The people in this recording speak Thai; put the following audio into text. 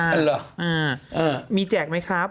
อ่ามีแจกไหมครับ